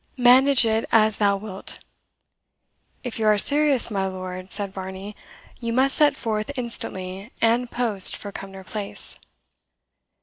Manage it as thou wilt." "If you are serious, my lord," said Varney, "you must set forth instantly and post for Cumnor Place."